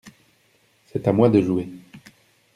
C’est à moi de jouer.